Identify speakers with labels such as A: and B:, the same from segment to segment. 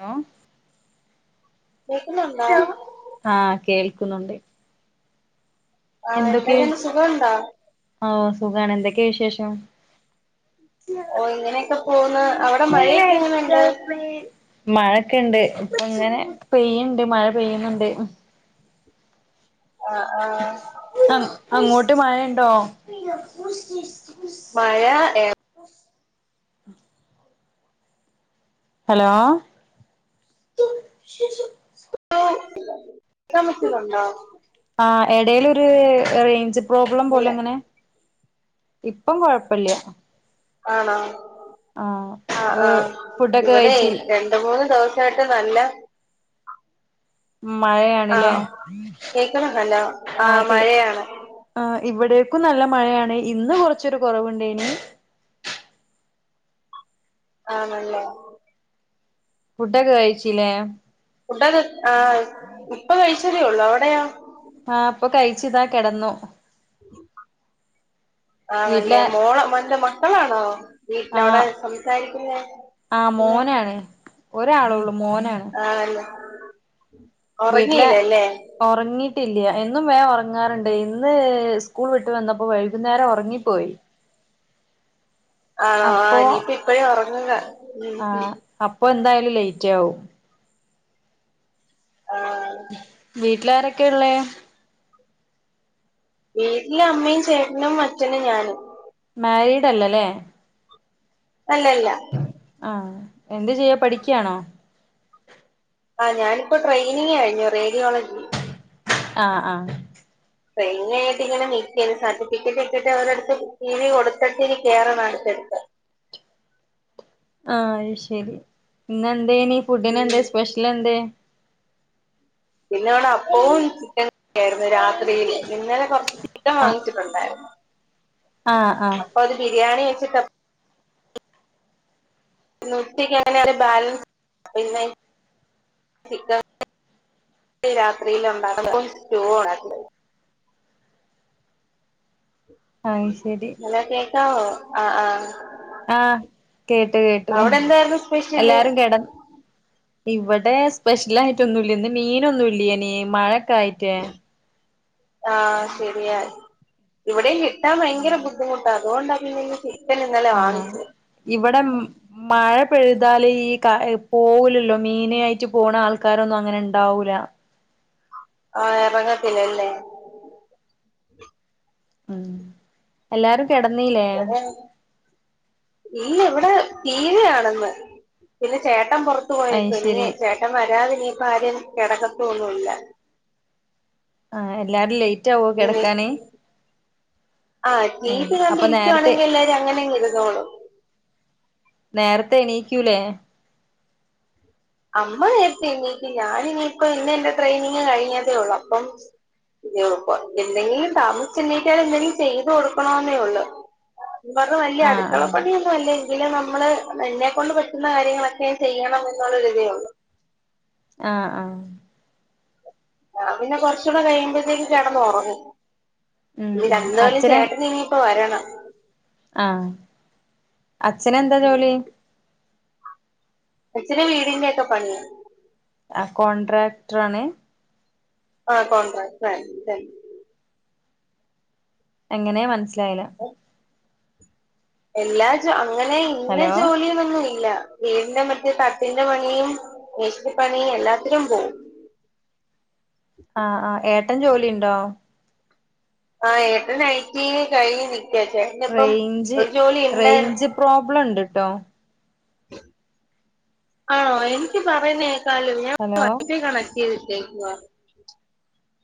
A: Hello
B: കേക്കുന്നുണ്ടോ
A: ആ കേൾക്കുന്നുണ്ട്
B: ആ
A: എന്തൊക്കെയ
B: എന്തൊക്കെണ്ട് സുഖണ്ടോ
A: ആ സുഖാണ് എന്തൊക്കെയാ വിശേഷം
B: ഓ ഇങ്ങനെയൊക്കെ പോന്ന് അവിടെ മഴയൊക്കെ എങ്ങനെണ്ട്
A: മഴൊക്കെുണ്ട് ഇപ്പൊ ഇങ്ങനെ പെയ്യണ്ട് മഴ പെയ്യുന്നുണ്ട്
B: ആ ആ
A: അ അങ്ങോട്ട് മഴണ്ടോ
B: മഴ
A: ഹലോ
B: [unintelligible]
A: എടേല് ഒരു റേഞ്ച് പ്രോബ്ലം പോലെ എങ്ങനെ ഇപ്പ കൊഴപ്പല്ല
B: ആണോ ആ ആ
A: ആഹ് ഫുഡൊക്കെ
B: ഇവിടെ
A: കഴിച്ച്
B: രണ്ട് മൂന്ന് ദോഷായിട്ട് നല്ല ആ
A: മഴയാണില്ലേ
B: കേക്കണണ്ടല്ലോ ആ
A: ആതെ
B: മഴയാണ്
A: ആ ഇവിടേക്കും നല്ല മഴയാണെ ഇന്ന് കൊറച്ചരു കുറവുണ്ട് ഇനി
B: ആ നല്ല
A: ഫുഡൊക്കെ കഴിച്ചില്ലേ
B: ഫുഡൊക്കെ ആ ഇപ്പൊ കഴിച്ചതേള്ളു അവിടെയാ
A: ആ അപ്പൊ കഴിച്ച ഇതാ കിടന്നു
B: [unintelligible] ആ നല്ലേ
A: വീട്ടിലെ
B: മോള മല്ല മക്കളാണോ
A: ആ
B: വീട്ടിലവിടെ സംസാരിക്കുന്നത്
A: ആ മോനാണ് ഒരാളള്ളൂ
B: ആ അല്ല
A: വീട്ടില ഉറങ്ങിട്ടില്ലയ എന്നും വേം ഉറങ്ങാറുണ്ട് ഇന്ന് സ്കൂൾ വിട്ട് വന്നപ്പോ വൈകുന്നേരം ഉറങ്ങിപ്പോയി
B: ആണോ ആ
A: അപ്പൊ
B: ഇനിയിപ്പ ഇപ്പഴേ ഉറങ്ങുക ഉം
A: ആ അപ്പൊ എന്തായി ലെറ്റ് ആവും
B: ആ.....
A: ല്ലാരൊക്കെയള്ളേ
B: വീട്ടില് അമ്മയും ചേട്ടനും അച്ഛനും ഞാനും
A: മരീഡല്ലല്ലേ
B: അല്ലല്ല
A: ആ എന്ത് ചെയ്യ പഠിക്കയാണോ
B: ആ ഞാനിപ്പോ ട്രെയിനിങ് കഴിഞ്ഞു റേഡിയോളജി
A: ആ അ
B: പെയിനയിട്ടിങ്ങനെ നിക്കന് സർട്ടിഫിക്കറ്റ് ഇട്ടിട്ട് അവരടുത്ത് ടി വി കൊടുത്തിട്ടിനി കേറനടുത്
A: [inaudible] ആ അത് ശരി. ഇന്നെന്തേനി
B: ഉം
A: ഫുഡിനെന്തേ സ്പെഷലെന്തെ?
B: പിന്നെവിടപ്പവും ചിക്കൻ -യിരുന്നു രാത്രിയിൽ ഇന്നലെ കുറച്ച് ചിക്കൻ
A: ആഹ്
B: വാങ്ങിച്ചിട്ടുണ്ടായിരുന്നു.
A: ആഹ് ആഹ്
B: അപ്പൊ അത് ബിരിയാണി വെച്ചിട്ടം [inaudible] ബാലൻസ് [inaudible] [inaudible] രാത്രിയിലുണ്ടാക്കുന്ന [inaudible] സ്റ്റൂവാണ് [inaudible]
A: അയ്ശരി
B: ആവോ ആ അ
A: ആ കേട്ടു കേട്ടു
B: എന്തായിരുന്നു സ്പെഷ്യല്
A: എല്ലാരും കെടന്ന് ഇവിടെ സ്പെഷ്യലായിട്ടൊന്നുല്ലന്ന് ന്ന് മീനൊന്നുല്യനീ മഴൊക്കായിട്ട്.
B: ആ ശരിയ ഇവിടേം കിട്ടാൻ ഭയങ്കര ബുദ്ധിമുട്ടാ അതുകൊണ്ടപിന്നെ [inaudible]
A: ആ ഇവിടെമ് മഴ മ് പെഴുതാല് ഈ ക പോവുലല്ലോ മീന് ആയിറ്റ് പോണ ആൾക്കാരൊന്നും അങ്ങനെണ്ടാവൂല.
B: ആ എറങ്ങത്തില്ലല്ലേ?
A: മ് എല്ലാരും കിടന്നീലേ
B: ഇവിടെ ഇല്ല ഇവിടെ ടീ വി കാണുന്നു പിന്നെ ചേ- ചേട്ടം പുറത്തു [unintelligible]
A: അയ് ശരി
B: പോയേക്കുവാ ചേട്ടൻ വരാതി നീപൊ ആരേം കിടകത്തൊന്നുല്ല
A: ആ എല്ലാരും ലൈറ്റ് ആവോ കിടക്കാന്?
B: ആ ടി വി
A: നേരത്തെ
B: കണ്ടിരിക്കുവാണെങ്കിൽ എല്ലാരും അങ്ങനങ് ഇരുന്നോളും
A: നേരത്തെ എണീക്കൂലേ
B: അമ്മ നേരത്തെണീക്കും ഞാനിനി ഇന്നെന്റെ ട്രെയിനിങ് കഴിഞ്ഞതേ ഉള്ളൂ അപ്പം- [unintelligible] പ്പൊ എന്തെങ്കിലും താമസിചെണീറ്റാലെന്തെങ്കിലും ചെയ്തു കൊടുക്കണോന്നേഒള്ളു [unintelligible] പറഞ്ഞു
A: ആഹ് ആഹ്
B: വല്യഅടുക്കളപ്പണിയൊന്നും അല്ലേൽ [inaudible] നമ്മള് എന്നെക്കൊണ്ട് പറ്റുന്ന കാര്യങ്ങളൊക്കെ ചെയ്യണം എന്നുള്ളരേതേയൊള്ളു
A: ആഹ് ആഹ്
B: ഞാ പിന്നെ കൊറചൂടെ കഴിയുമ്പോത്തേക്ക് കെടന്നുറങ്ങും
A: ഉം
B: [unintelligible] ഇന്ന
A: ഉം
B: രന്ന പോലും ചേട്ടന് ഇനിയിപ്പോ വരണം
A: ആ അച്ഛനെന്താ ജോലി
B: അച്ഛന് വീടിന്റെയൊക്കെ പണി
A: ആ കോൺട്രാക്ടറാണ്
B: ആ കോണ്ട്രക്ടറായിരുന്നു [unintelligible]
A: എങ്ങനെ മനസിലായില
B: എല്ലാജൊ അങ്ങനെ ഇന്ന
A: ഹലോ
B: ജോലിയെന്നൊന്നും ഇല്ല വീടിന്റെ മറ്റേ തട്ടിന്റെ പണിയും മേശിരി പണിയും എല്ലാത്തിനും പോവും
A: [inaudible] അ ആ ഏട്ടൻ ജോലിണ്ടോ
B: ആ ഏട്ടനൈറ്റിങ് കഴിഞ്ഞു നി [unintelligible] യാച്ച ചേട്ടന്പ്പം
A: റേഞ്ച്
B: ഒരു ജോലി ഇണ്ടായിരുന്നു
A: റേഞ്ച് പ്രോബ്ലം ഉണ്ട്ട്ടോ
B: [unintelligible] ആണോ എനിക്ക് പറയുന്നേക്കലോ ഞാൻ
A: ഹലോ
B: വൈഫൈകണക്ട്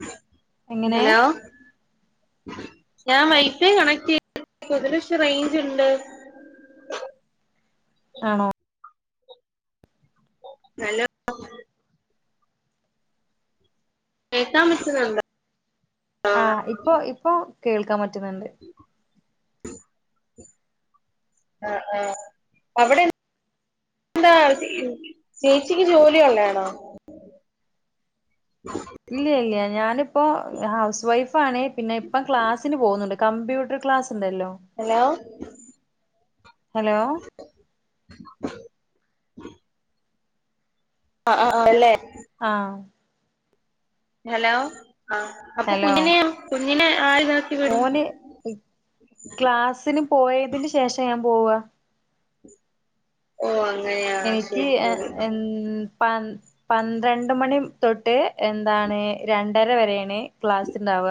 B: [unintelligible]
A: എങ്ങനെ
B: ഹലോ ഞാൻ വൈഫൈ കണക്ട് [unintelligible] ക്ഷ് റെയിഞ്ചുണ്ട്
A: [inaudible] ആണോ
B: നല്ല [unintelligible] കേക്കാൻ പറ്റുന്നുണ്ട്
A: ആ ഇപ്പൊ ഇപ്പൊ കേൾക്കാൻ പറ്റുന്നുണ്ട്
B: [inaudible] ആ ആ അവിടെ [inaudible] എന്താ [unintelligible] ചേച്ചിക്ക് ജോലി ഒള്ളആണോ
A: ഇല്ല്യാഇല്ല്യാഞാന്പ്പോ ഹൗസ് വൈഫാണ് പിന്നെപ്പൊ ക്ലാസ്സിന്പോകുന്നുണ്ട് കമ്പ്യൂട്ടർക്ലാസ്സ്‌
B: ഹലൗ
A: ഹലോ
B: [inaudible] ആ ആ അല്ലെ
A: ആ
B: ഹലൗ ആ
A: ഹലോ
B: അപ്പൊകുഞ്ഞിനെ കുഞ്ഞിനേ
A: ഓന് ക്ലാസിനു പോയതിനുശേഷ ഞാന് പോവാ
B: ഓ അങ്ങ
A: എനിക്ക് എ എൻ പന് പന്ത്രണ്ടുമണി തൊട്ട് എന്താണ് രണ് രണ്ടരവരേണ് ക്ലാസ്ണ്ടാവ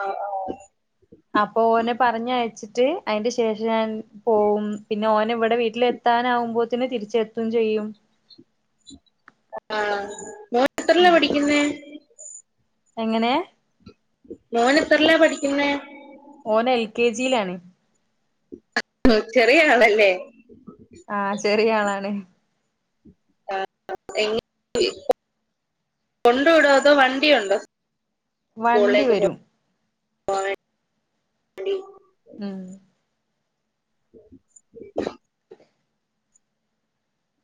B: ആ ആ
A: അപ്പൊഓനെ പറഞ്ഞയച്ചിട്ട് അയിന്റെശേഷണ് പോവുംപിന്നെഓന് ഇവിടെ വീട്ടിലെത്താനാവുമ്പോത്തിന് തിരിച്ചെത്തുംചെയ്യും
B: ആ മോൻത്രില്ലാ
A: ഉം
B: പഠിക്കുന്നേ
A: എങ്ങനെ
B: മോനെത്രില്ലാ പഠിക്കുന്നെ
A: ഓന് എൽ കെ ജിയിലാണ്
B: [unintelligible] ചെറിയആളല്ലേ
A: ആ ചെറിയ ആളാണ്
B: [unintelligible] കൊണ്ടുവിടൊ അതോവണ്ടിയുണ്ടോ
A: വണ്ടിവരും
B: [inaudible]
A: മ്
B: [inaudible]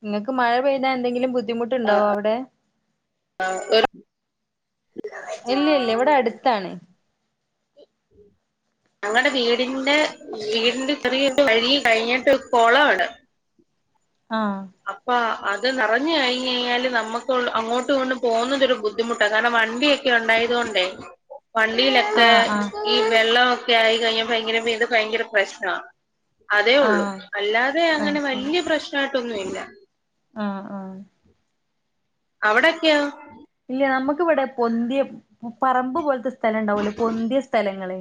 A: ഇങ്ങക്ക് മഴപെയ്താന്തെങ്കിലും ബുദ്ധിമുട്ടുണ്ടാവോ അവിടെ?
B: ഒരു
A: ഇല്ല്യഇല്ല്യ ഇവിടെഅടുത്താണ്.
B: ഞങ്ങടെ വീടിന്റെ വീടിന്റെ ചെറിയ വഴികഴിഞ്ഞിട്ട് കൊളാണ്
A: ആഹ്
B: അപ്പഅ ത് നറഞ്ഞു കഴിഞ്ഞാഴിഞ്ഞാല് നമുക്കൊള്ള് അങ്ങോട്ടുംങ്ങോട്ടും പോന്നത്ഒരു ബുദ്ധിമുട്ടാ കാരണംവണ്ടിയിക്കെ ഉണ്ടായതൊണ്ട് [unintelligible] വണ്ടിയിലൊക്കെ
A: ആഹ് ആഹ്
B: ഈവെള്ളമൊക്കെ ആയികഴിഞ്ഞ പിന്നെ ഭയങ്കരപ്രശ്ന അതേയൊള്ളൂ
A: ആഹ്
B: അല്ലാതെഅങ്ങനെ വല്ലിയ പ്രശ്നായിട്ടൊന്നുംഇല്ല
A: ആ ആ
B: അവിടൊക്ക്യോ
A: പറമ്പ്പോൽത്തെ സ്ഥലംണ്ടാവുലെ പൊൻന്തിയസ്ഥലങ്ങള്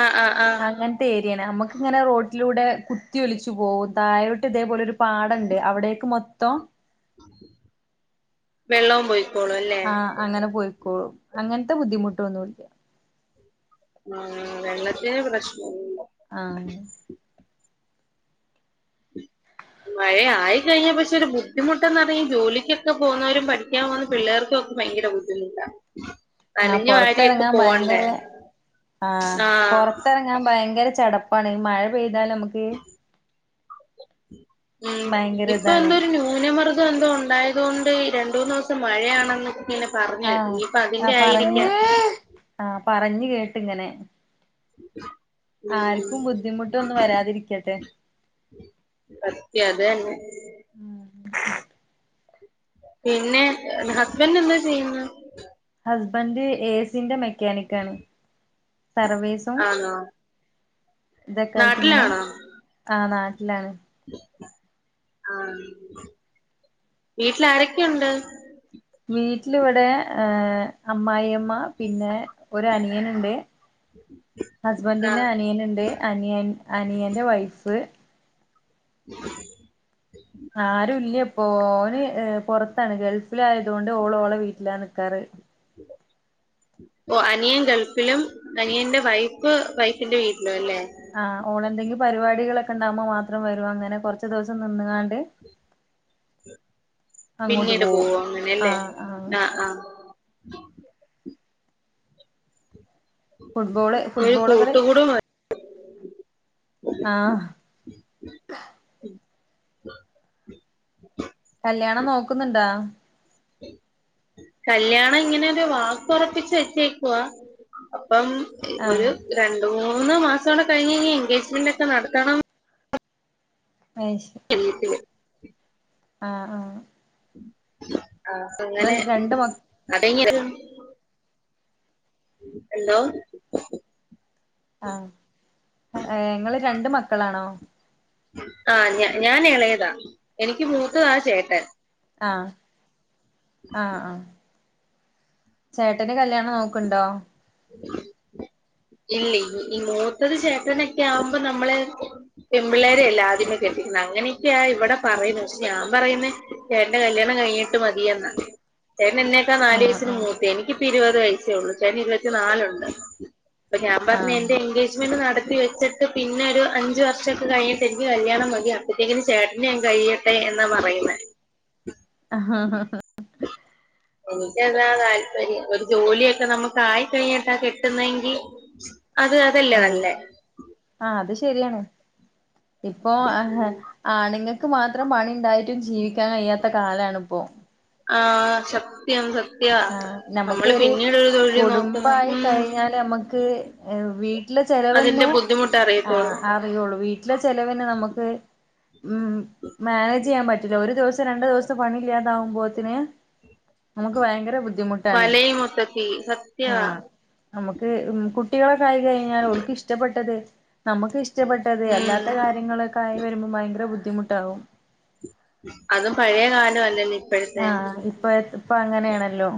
B: ആഹ് ആഹ് ആഹ്
A: അങ്ങെൻത്തെഏരിയാണ് നമ്മുക്ക് ഇങ്ങനെറോട്ടിലൂടെ കുത്തിഒലിച്ചുപോവും താഴോട്ട്ഇതേപോലെ ഒരുപാടണ്ട് അവിടേക്ക്മൊം [unintelligible]
B: വെള്ളോംപോയി
A: ആഹ അങ്ങനെപോയിക്കോളും
B: മം വെള്ളത്തിന് പ്രശ്
A: ആ
B: മഴയായികഴിഞ്ഞ പക്ഷെ ഒരു ബുദ്ധിമുട്ടെന്നറി ജോലിക്കൊക്കെപോവുന്നവരും പഠിക്കാൻപോകുന്നപിള്ളേർക്കും ഭയങ്കരബുദ്ധിമുട്ട അല്ലെങ്കിവാടിയൊക്കെ പോവണ്ടേ?
A: ആ
B: ആഹ്
A: പൊറത്ത്റങ്ങാൻ ഭയങ്കരചടപ്പാണ് ഈമഴ പെയ് എന്നാൽനമുക്ക് ഭയങ്കരഇതാണ്
B: ഇതെന്തോ ഉണ്ടായതുകൊണ്ട് രണ്ടൂന്നുസം മഴയാണെന്ന് ഇങ്ങനെ പറഞ്ഞ് കേട്ട്
A: ആഹ
B: ഇനിയിപ്പ
A: ആഹ
B: അതിന്റെ
A: പറഞ്ഞു
B: ആയിരിക്കാം
A: ആഹ പറഞ്ഞ് കേട്ട്ഇങ്ങനെ
B: ഉം
A: ബുദ്ധിമുട്ടൊന്നും വരാതിരിക്കട്ടെ
B: സത്യാ അതന്നെ
A: [unintelligible]
B: പിന്നെ ഹസ്ബൻറ് എന്താ ചെയ്യുന്ന്
A: ഹസ്ബൻ് ഏസിന്റെ മെക്കാനിക്കാണ് സർവീസും
B: ആണോ
A: തെക്കെആയിട്ട് ഇങ്ങനെ
B: നാട്ടിലാണോ
A: ആഹ് നാട്ടിലാണ്
B: ആ വീട്ടിൽ ആരൊക്കെയുണ്ട്
A: വീട്ടിലിവിടെ ഏഹ് അമ്മായിയമ്മ പിന്നെ ഒരു അനിയനുണ്ട് ഹസ്ബൻ്റിന്
B: ആഹ്
A: അനിയന്ണ്ട് അനിയൻ അനിയന്റെ വൈഫ്
B: [unintelligible]
A: ആരുല്ല്യപ്പോ ഓന്ഏ പൊറത്താണ് ഗൾഫിൽ ആയതോണ്ട് ഓള് ഓളെ വീട്ടിലാ നിക്കാറ്
B: [unintelligible] ഓ അനിയൻ ഗൾഫിലും അനിയന്റെ വൈഫ് വൈഫിന്റെ വീട്ടിലും അല്ലേ
A: ആഹ് ഓളന്തെങ്കി പരിപാടികളൊക്കെ ണ്ടാവുമ്പോ മാത്രം വരും അങ്ങനെ കൊറച്ച് ദിവസം നിന്ന്കാണ്ട് [unintelligible]
B: പിന്നീട്
A: പോവും
B: പോവുങ്ങനല്ലേ
A: ആഹ് ആഹ്
B: ആ ആ [unintelligible]
A: ഫുട്ബോള്
B: ഒരു
A: ഫുട്ബോളുകൾ
B: കൂട്ടുകുടുംബം
A: ആ
B: [unintelligible]
A: കല്യാണം നോക്കുന്നുണ്ടാ
B: കല്യാണംങ്ങനെരു വാക്കൊറപ്പിച്ച് വെച്ചേക്കുവ പ്പം ഒര്
A: ആഹ്
B: രണ്ട് മൂന്ന് മാസൂടെ കഴിഞ്ഞ് ഇനി ഒരു എൻഗേജ്മെന്റ്ക്കെ നടത്തണം
A: അയ് ശരി
B: [unintelligible]
A: ആഹ് ആഹ
B: ആപ്പങ്ങനെ
A: രണ്ട് മ
B: അതെങ്ങനെയാ ഹല്ലോ
A: ആഹ് ങ്ങള് രണ്ട് മക്കളാണോ
B: ആ ഞ ഞാൻ എളയതാ എനിക്ക് മൂത്തതാ ചേട്ടൻ
A: ആഹ് ആ ആ ചേ ട്ടൻ്റെ കല്യാണം നോക്ക്ണ്ടോ
B: ഇല്ലി ഈ മൂത്തത് ചേട്ടനൊക്കെ ആവുമ്പോ നമ്മള് പെൺപിള്ളേരെയല്ലേ ആദ്യമേ കെട്ടിക്കുന്നെ അങ്ങനെയക്കെയാ ഇവടെ പറയുന്ന പക്ഷെ ഞാൻ പറയുന്ന ചേട്ടന്റെ കല്യാണം കഴിഞ്ഞിട്ട് മതിയെന്നാ ചേട്ടന് എന്നേക്കാ നാല്
A: ആഹ്
B: വയസ്സിന്
A: ആഹ്
B: മൂത്തയ എനിക്കിപ്പ ഇരുവത് വയസേ ഒള്ള് ചേട്ടന് ഇരുവത്തി നാലൊണ്ട് അപ്പൊ ഞാൻ പറഞ്ഞ് എന്റെ
A: ആഹ്
B: എൻഗേജ്മെന്റ് നടത്തിവെച്ചട്ട് ക്ക് പിന്നൊരു അഞ്ച് വർഷൊക്കെ കഴിഞ്ഞിട്ട് എനിക്ക് കല്യാണം മതി അപ്പത്തേക്കിനും ചേട്ടന്റെ അങ്ങ് കഴിയട്ടെ എന്നാ പറയുന്നേ
A: അഹാഹഹ
B: എനിക്കതാ താൽപര്യം ഒരു ജോലിയൊക്കെ നമുക്ക് ആയിക്കഴിഞ്ഞിട്ടാ കെട്ടുന്നെങ്കി അത് അതല്ലേ
A: ആഹ്
B: നല്ലേ
A: അത് ശരിയാണ് ഇപ്പോ ഹ്ഹ ആണുങ്ങൾക്ക് മാത്രം പണി ഉണ്ടായിട്ടും ജീവി ക്കാൻ കയിയാത്ത കാലാണ്പ്പൊ
B: ആ സത്യം സത്
A: ആ നമുക്കൊരു
B: തൊഴിൽ നോക്കുന്നത്
A: കുടുംബായി
B: ഉം
A: കഴിഞ്ഞാല് മ്മക്ക് വീട്ടിൽ ട്ട്ലെ ചെലവന്നെ
B: അതിന്റെ ബുദ്ധിമുട്ട്
A: ആ
B: അറിയത്തോളൂ
A: അറിയുള്ളൂ വീട്ടിലെ ചെലവന്നെ നമ്മക്ക് ഉം മാനേജ് ചെയ്യാൻ പ റ്റ്ല ഒര്ദിവസം രണ്ട് ദിവസം പണില്ലാണ്ടാവുമ്പോത്തെന് നമ്മക്ക് ഭയങ്കര ബുദ്ധിമുട്ടാണ്
B: വലയും മൊത്തത്തി സത്യവ
A: ആ നമുക്ക് ഉം കുട്ടികളൊക്കായി കഴിഞ്ഞ ഓൾക്ക് ഇഷ്ട്ട പെട്ടത് നമുക്ക് ഇഷ്ടപ്പെട്ടത്
B: ഉം
A: അല്ലാത്ത കാര്യങ്ങളൊക്കെ ആയി വരുമ്പോ ഭയങ്കര ബുദ്ധിമുട്ടാവും
B: അതും പഴയ കാലം അല്ലെല്ലോ ഇ
A: ആ ഇപ്പൊ ഇപ്പൊ അങ്ങനെയാണല്ലോ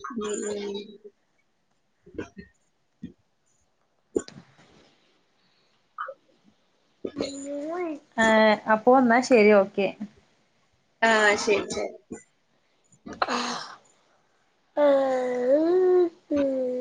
B: ഉം ഉം
A: ആ അപ്പൊ ന്നാ ശെരി ഓക്കെ
B: ആ ശരി
A: ആ ഉം